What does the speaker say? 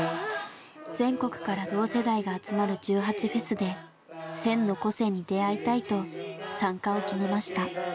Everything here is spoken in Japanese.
全国から同世代が集まる１８祭で１，０００の個性に出会いたいと参加を決めました。